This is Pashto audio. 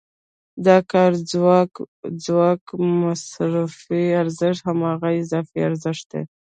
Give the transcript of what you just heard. د کاري ځواک مصرفي ارزښت هماغه اضافي ارزښت دی